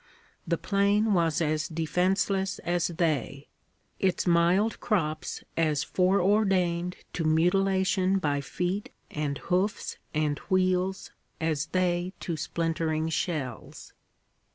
The plain was as defenseless as they: its mild crops as fore ordained to mutilation by feet and hoofs and wheels as they to splintering shells.